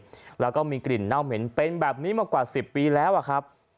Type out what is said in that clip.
แล้วก็มีกลิ่นเน่าเหม็นเป็นแบบนี้มากว่า๑๐ปีแล้วอะครับ